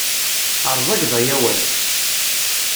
Ṛzageḍ ay awal.